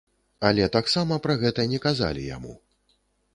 Але таксама пра гэта не казалі яму.